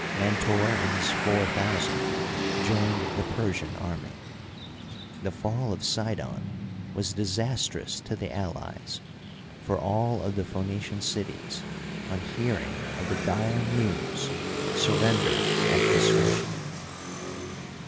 Mentor and his four thou sand joined the Persian army. The fall of Sidon was disastrous to the allies, for all of the Phoenician cities, on hearing of the dire news, surrendered at discretion.